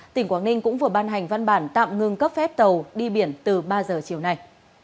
tỉnh quảng ninh cũng vừa ban hành văn bản tạm ngưng cấp phép tàu đi biển từ ba giờ chiều nay